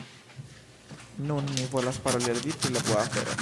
Nun, mi volas paroli al vi pri la dua afero.